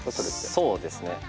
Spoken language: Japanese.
そうですね。